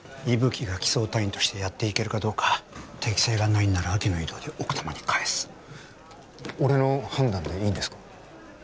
伊吹が機捜隊員としてやっていけるかどうか適性がないんなら秋の異動で奥多摩に返す俺の判断でいいんですか？